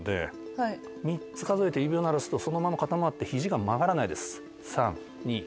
３つ数えて指を鳴らすとそのまま固まって肘が曲がらないです。